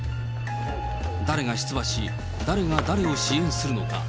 誰が出馬し、誰が誰を支援するのか。